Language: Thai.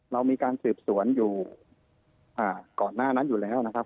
เรามีการสืบสวนอยู่ก่อนหน้านั้นอยู่แล้วนะครับ